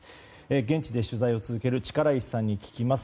現地で取材を続ける力石さんに聞きます。